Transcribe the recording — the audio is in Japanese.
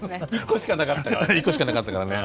１個しかなかったからね。